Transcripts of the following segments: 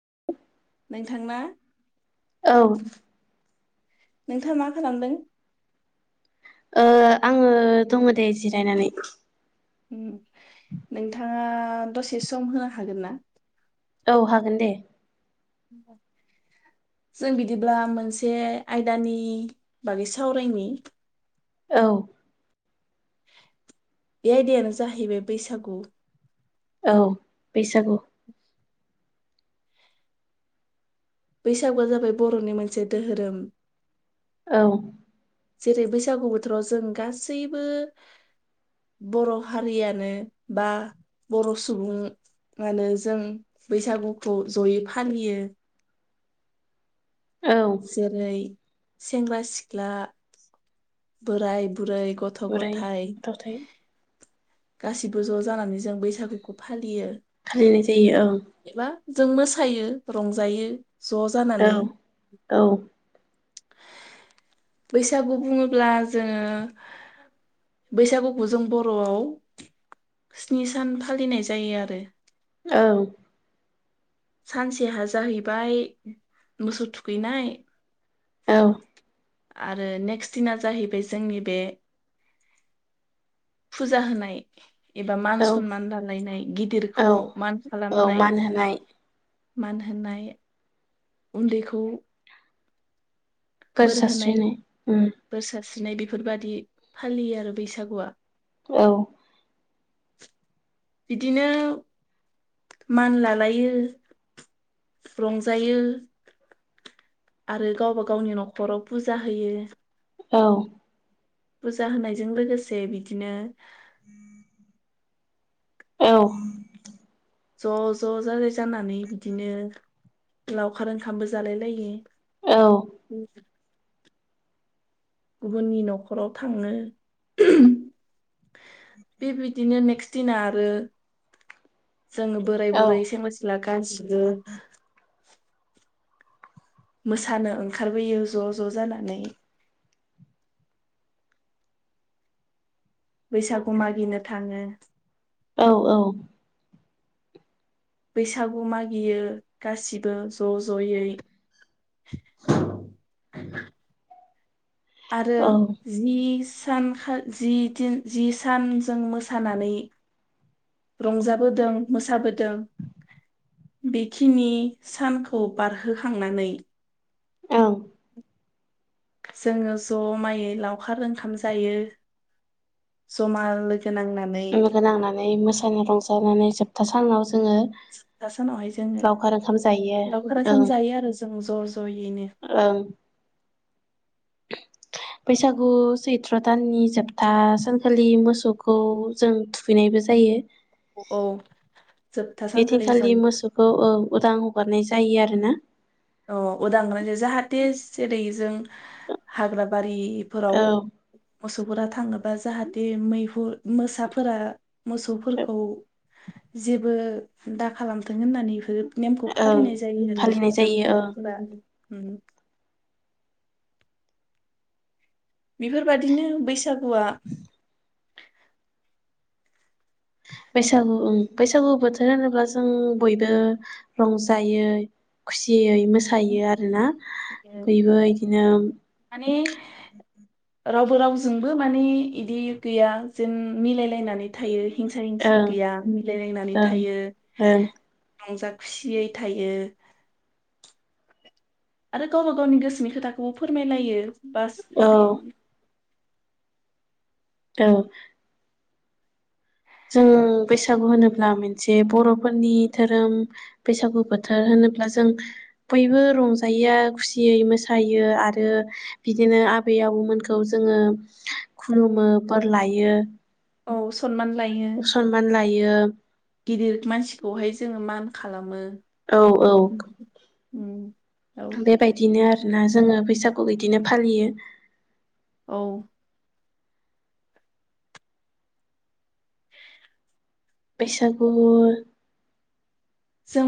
[inaudible] नोंथांना औ नोंथाङा मा खालामदों? ओ आङो दङ दे जिरायनानै उम नोंथाङा दसे सम होनो हागोन ना? औ हागोन दे जों बिदिब्ला मोनसे आयदानि बागै सावरायनि औ बे आयदायानो जाहैबाय बैसागु औ बैसागु बैसागुआ जाबाय बरनि मोनसे दोहोरोम औ जेरै बैसागु बोथोराव जों गासैबो बर'हारियानो बा बर' सुबुङानो जों बैसागुखौ जयै फालियो। औ जेरै- सेंग्रा, सिख्ला बोराय बुरै बोराइ गथ'गथाइ गथ'थाय गासिबो ज जानानै जों बैसागुखौ फालियो। फालिनाय जायो ओं बा जों मोसायो रंजायो। औ ज'जानानै औ बैसागु बुङोब्ला जोङो बैसागुखौ जों बरआव स्नि सान फालिनाय जायो आरो। औ सानसेहा जाहैबाय मोसौ थुखैनाय औ आरो नेक्स दिना जाहैबाय जोंनि बे फुजा होनाय। एबा मान औ सनमान लालायनाय औ गिदिरखौ मान औ खालामनाय मान होनाय मान होनोनाय उन्दै खौ फोर सासस्रिनाय उम स्रिनाय बेफोरबायदि फालियो आरो बैसागुआ औ [inaudible] बिदिनो मान लालायो रंजायो आरो गावबा गावनि नखराव फुजा होयो। औ फुजा होनायजों लोगोसे बिदिनो [inaudible] औ ज ज जालाय जानानै बिदिनो लावखार ओंखामबो जालाय लायो। [inaudible] औ गुबुननि नखराव थाङो बेबायदिनो नेक्स्ट दिना आरो जोङो बोराय औ बुरै सेंग्रा सिख्ला गासिबो मोसानो ओंखारबोयो ज ज जानानै बैसागु मागिनो थाङो औ औ बैसागु मागियो गासिबो ज जयै आरो जि सानखा जिन जि सान जों मोसानानै रंजाबोदों मोसाबोदों बेखिनि सानखौ बारहोखांनानै औ जोङो जमायै लावखार ओंखाम जायो जमा लोगो गोनांनानै लोगो नांनानै मोसानो रंजानानै जोबथा सानाव जों जोबथा सानावहाय जोङो ओंखाम जायो लावखार सान ओं जायो आरो जों ज जयैनो। ओं बैसागु सैत्र दाननि जोबथा सानखालि मोसौखौ जों थुखैनायबो जायो। औ जोबथा सानखालि जों बेदिनखालि मोसौखौ उदां हगारनाय जायो दायो आरोना अ उदग्रानिजों जाहाथे जेरैजों हाग्राबारि बेफोराव औ मोसौफोरा थाङोबा जाहाथे मैहुर मोसाफोरा मोसौफोरखौ जेबो दा खालामथों होननानै बेफोरो नेमखौ ओं फालिनाय फालिनाय जायो [unintelligible] जों ओं बरफोरा होम बेफोरबायादिनो बैसागु हौवा बैसागु बैसागु बोथोर होनोब्ला जों बयबो रंजायो खुसि जयै मोसायो आरोना बयबो बिदिनो माने रावबो रावजोंबो माने बिदि गैया जेन मिलायलायनानै थायो हिंसा हिंसि ओं गैया मिलायलायनानै ओं थायो। ओं रंजा खुसियै थायो। आरो गावबा गावनि गोसोनि खोथाखौबो फोरमायलायो। बास औ बि औ। जोङो बैसागु होनोब्ला मोनसे बर'फोरनि धोरोम बैसागु बोथोर होनोब्ला जों बयबो रंजायो खुसियै मोसायो आरो बिदिनो आबै आबौमोनखौ जोङो खुलुमो बोर लायो। औ सनमान लायो सनमान लायो। गिदिर मानसिखौहाय जोङो मान खालामो। औ औ। उम। औ बेबायदिनो आरो ना जोङो बैसागु बिदिनो फालियो। औ। बैसागु जों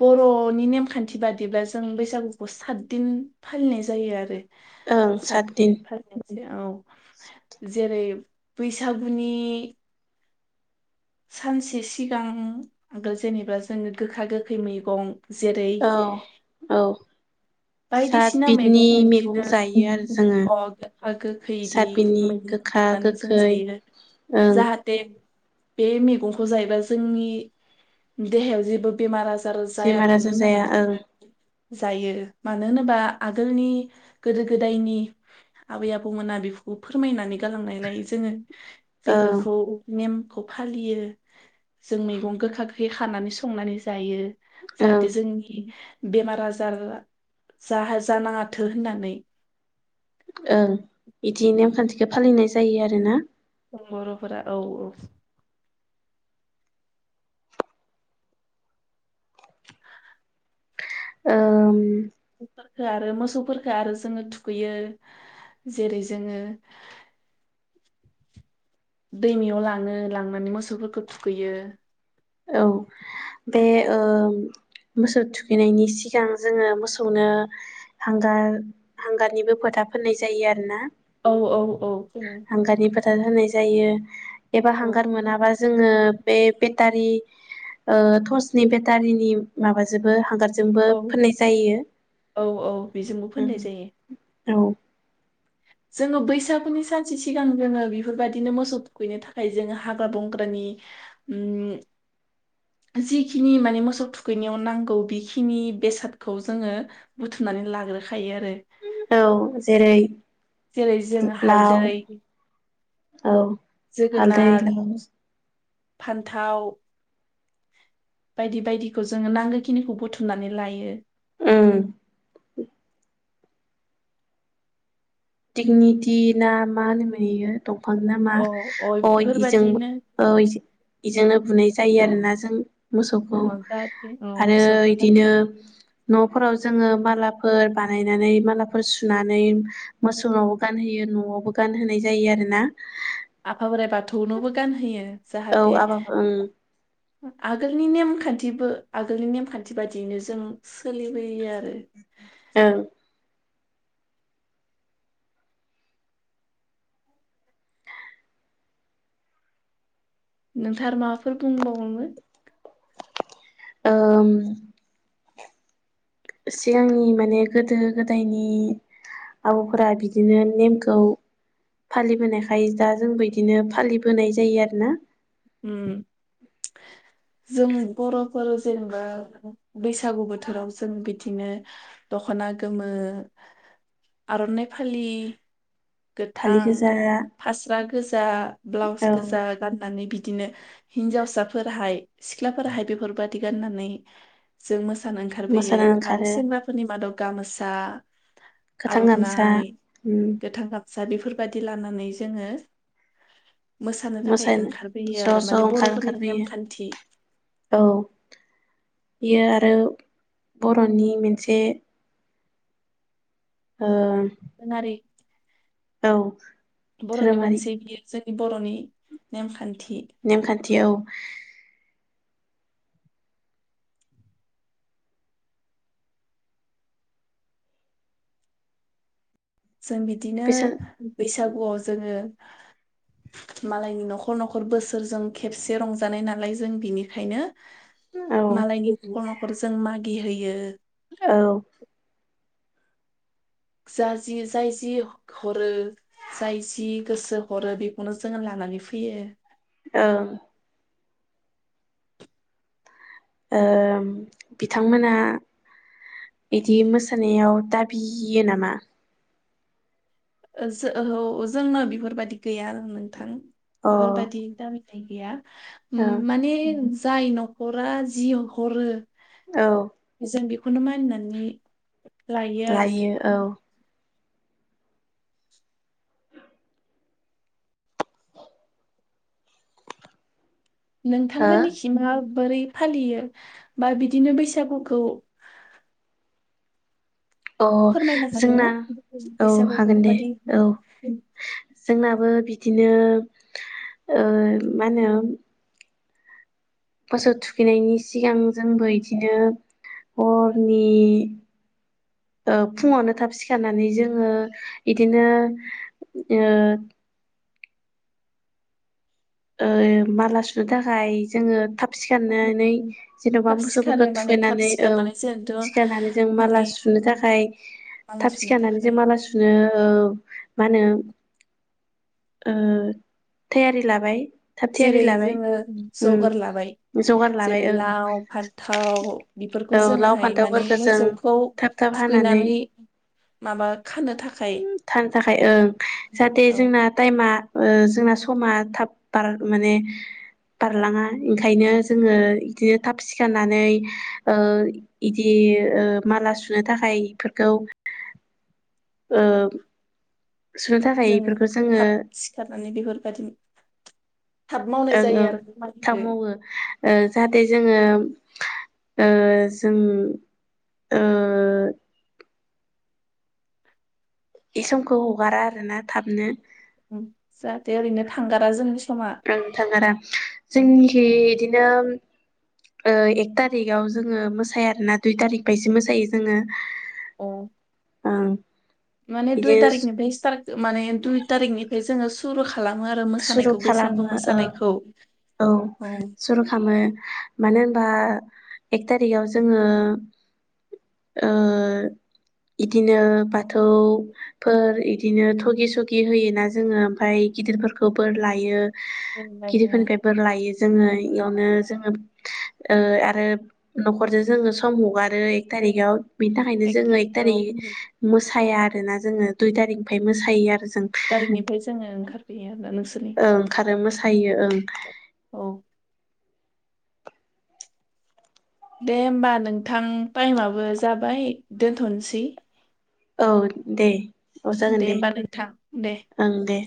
बर'नि नेमखान्थि बादिब्ला जों बैसागुखौ सातदिन फालिनाय जायो आरो। ओं सातदिन [unintelligible] औ जेरै बैसागुनि सानसे सिगांबो जेनेबा जोङो गोखा गोखै मैगं जेरै औ औ। सात बायदिसिना बिदनि मैगं मैगं जायो आरो बिदिनो जोङो गोखा गोखैदि सात बिदनि मैगं गोखा बुथुमनानै जों गोखै जायो ओं जाहाथे बे मेगंखौ जायोबा जोंनि देहायाव जेबो बेमार आजा र बेमार जायाथों आजार होन्नानै जाया ओं जायो। मानो होनोबा आगोलनि गोदो गोदायनि आबै आबौमोना बेफोरखौ फोरमायनानै गालांनायलाय जोङो ओं बेफोरखौ नेम फालियो जों मैगं गोखा गोखै खानानै संनानै जायो। ओं जाहाथे जोंनि बेमार आजार जाहा जानाङाथो होन्नानै ओं बिदि नेम खान्थि [unintelligible] फालिनाय जायो आरो ना। बर'फोरा औ औ। ओम। [unintelligible] आरो मोसौफोरखो आरो जोङो थुखैयो जेरै जोङो दैमायाव लाङो लांनानै मोसौफोरखौ थुखैयो। औ बे ओम मोसौ थुखैनायनि सिगां जोङो मोसौनो हांगार हांगारनिबो फोथा फोन्नाय जायो आरोना। औ औ औ । [unintelligible] होनाय जायो। एबा हांगार औ मोनाबा जोङो बे दारि टर्सनि बेटारिनि माबाजोबो हांगार। औ औ औ बेजोंबो फोननाय जायो। [unintelligible] जोङो बैसागुनि सानसे सिगां जोङो बिफोरबायदिनो मोसौ थुखैनो थाखाय जोङो हाग्रा बंग्रानि उम जिखिनि माने मोसौ थुखैनायाव नांगौ बिखिनि बेसादखौ जोङो बुथुमनानै लाग्रोखा औ जेरै। जेरै जोङो लाव हालदै। औ। हालदै। जोगोनार फान्थाव बायदि बायदिखौ जोङो नांगोखिनिखौ बुथुमनानै लायो। उम। दिगनिटि ना मा होनो बियो। दंफां नामा अ अ बेफोरबादिनो [unintelligible] [unintelligible] ‌आरोना जों। मोसौखौ अ जाहाथे औ आरो मोसौफोरा इदिनो न। [unintelligible] जोङो मालाफोर बानायनानै मालाफोर सुनानै। मोसौवाव गानहोयो न'आवबो गानहोनाय जायो आरोना। आफा बोराइ बाथौनोबो गानहोयो। जाहाथे औ [unintelligible] आगोलनि नेमखान्थिबो आगोलनि नेमखान्थि बादियैनो जों सोलिबोयो आरो। औ। नोंथार माबाफोर बुंबावोमो। उम सिगांनि माने गोदो गोदायनि आबैफोरा बिदिनो नेमखौ फालिबोनायखाय दा जोंबो इदिनो फालिबोनाय जायो आरोना। जों बर'फोर जेनेबा बैसागु बोथोराव जों बिदिनो दखना गोमो आरनाइ फालि। फालि गोथां गोजा फास्रा गोजा ब्लाउस औ गोजा गाननानै बि बिदिनो हिनजावसाफोरहाय सिख्लाफोरहाय बेफोरबायदि गाननानै जों मोस मोसानो मोसानो ओंखारबोयो आरो ओंखारो सेंग्राफोरनि मादाव गामसा गोथां गामसा उम। गोथां गामसा बेफोरबादि लानानै जोङो। मोसानो थाखाय ओंखारबोयो आरो ज' ज' माने ओंखार बरफोरनि ओंखारबोयो नेमखान्थि औ बियो आरो बर'नि मोनसे ओं। दोरोङारि औ बर'नि धोरोमारि। मोनसे बियो जोंनि बर'नि नेमखान नेमखान्थि औ। [unintelligible] जों बिदिनो बिसोर बैसागु अ जोङो मालायनि नख'र नख'र बोसोरजों खेबसे रंजानाय नालाय जों बिनिखायनो औ मालायनि [unintelligible] जों मागि हैयो। औ। जा जि जाय जि हरो जाय जि गोसो हरो बेखौनो जोङो लानानै फैयो। औ। ओ बिथांमोना बिदि मोसानायाव दाबियो नामा? ओ जोहौ जोंनो बेफोरबायदि गैया आरो नोंथां। अ बिफोरबादि दामि नाय गैया। उम ओं माने जाय नख'रा जि हरो औ। जों बेखौनो मानिनानै लायो औ। हो नोंथांमोननिखि मा? बोरै फालियो बा बिदिनो बैसागुखौ अ फोरमायनो हागोन जोंना ना औ बैसागुखौ हागोन दे माबादि औ जोंनाबो बि बिदिनो ओ मा होनो मोसौ थुखैनायनि सिगां जोंबो इदिनो हरनि ओ फुङावनो थाब सिखारनानै जोङो इदिनो ओ ओ माला सुनो थाखाय जोङो थाब। औ सिखारनानै जेनबा थाब सिखारो मोसौफोरखौ माने थाब थुखैनानै औ सिखारनानै जोंथ' सिखारनानै जों माला माने सुनो थाखाय माला थाब सुनो सिखारनानै जों थाखाय माला सुनो औ मा होनो ओ थायारि लाबाय। थाब जेरै थियारि लाबाय जोङो उम जगार लाबाय जगार लाबाय जेरै ओं लाव फान्थाव बिफोरखौ औ लाव जोङोहाय माने फान्थावफोरखौ जों मोसौखौ थाब थाब हानानै थुखैनानै माबा खानो थाखाय थानो थाखाय ओं जाहाथे औ। जोंना टाइमा ओ जोंना समा थाब बार माने बारलाङा ओंखायनो। जोङो इदिनो थाब सिखारनानै ओ इदि ओ माला सुनो थाखाय इफोरखौ ओ सुनो थाखाय जों इफोरखौ जोङो थाब सिखारनानै बेफोरबादि थाब मावनाय ओं जायो ओं आरो खामानिखो थाब । मावो ओ जाहाथे जोङो ओ जों ओ इस समखौ हगारा आरो ना थाबनो जाहाथे ओरैनो थांगारा जोंनि समा ओं थांगारा अ जोंनिखि इदिनो ओ एक तारिगाव जोङो मोसाया आरोना दुइ तारिग बायसो मोसायो जोङो। औ ओं माने बिदि दुइ तारिकनिफाय स्टार्ट माने दुइ तारिकनि बे जोङो सुरु खा सुरु खालामो ओ औ सुरु खामो मानो बा एक तारिगाव जोङो ओ इदिनो बाथौफोर इदिनो थगि सगि होयोना जोङो ओमफाय गिदिरफोर फोरखौ बोर लायो ओमफ्रायो गिदिरफोरनिफ्राय बोर लायो जोङो इयावनो जोङो ओ आरो न'खरजो जोङो सम हगारो एक थारिखाव बेनि थाखायनो एक जोङो एकथारि थारिखआव मोसाया आरोना जोङो दुइ तारिखनिफाय मोसायो आरो जों थारिखनिफाय जोङो ओंखारफैयो आरोना नोंसोर ओंखारो मोसायो ओं दे होमबा नोंथां टाइमाबो जाबाय दोनथनोसै औ दे औ जागोन दे होमबा नोंथां दे ओं दे।